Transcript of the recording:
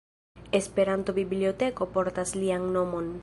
Esperanto-biblioteko portas lian nomon.